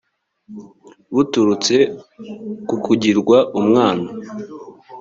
buturutse ku kugirwa umwana